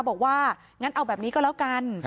บอกว่างั้นเอาแบบนี้ก็แล้วกัน